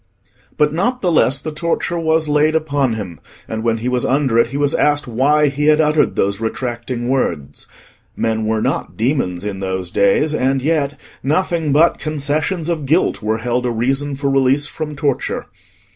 But not the less the torture was laid upon him, and when he was under it he was asked why he had uttered those retracting words. Men were not demons in those days, and yet nothing but concessions of guilt were held a reason for release from torture.